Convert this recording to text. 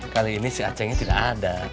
kali ini si acehnya tidak ada